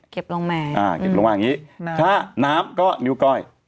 เก็บลงมาอย่างนี้ถ้าน้ำก็นิ้วก้อย